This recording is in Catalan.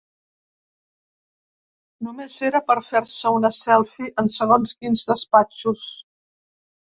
Només era per fer-se una selfie en segons quins despatxos.